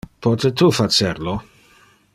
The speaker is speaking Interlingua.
Pote tu facer lo?